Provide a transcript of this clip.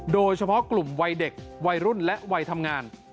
โดยเฉพาะกลุ่มวัยเด็กวัยรุ่นและวัยทำงาน